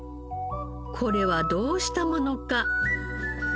これはどうしたものか。